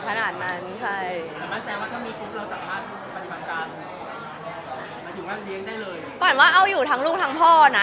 ก็หมายถึงว่าเอาอยู่ทั้งลูกทั้งพ่อนะ